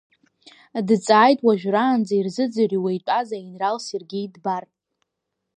Дҵааит уажәраанӡа ирзыӡырҩуа итәаз аинрал Сергеи Дбар.